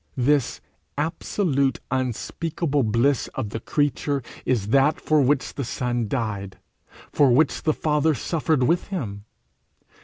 This absolute unspeakable bliss of the creature is that for which the Son died, for which the Father suffered with him.